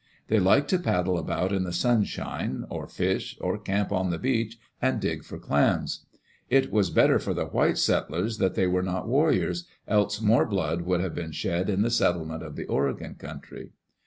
They liked to paddle about in the sunshine, or fish, or camp on the beach and dig for clams. It was better for the white settlers that they were not warriors, else more blood would have been shed in the settlement of the Oregon country.